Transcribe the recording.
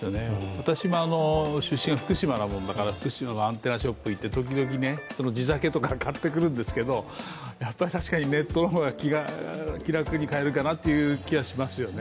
私も出身が福島なもんだから、福島のアンテナショップ行って時々、地酒とか買ってくるんですけど、やっぱり確かにネットの方が気楽に買えるかなと。